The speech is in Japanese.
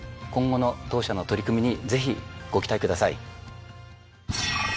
今後の当社の取り組みにぜひご期待ください。